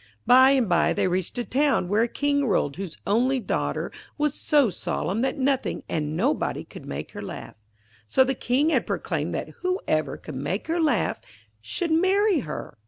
By and by they reached a town, where a King ruled whose only daughter was so solemn that nothing and nobody could make her laugh. So the King had proclaimed that whoever could make her laugh should marry her.